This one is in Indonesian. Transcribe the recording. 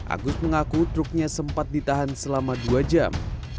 agus mengaku truknya sempat ditahan selama dua jam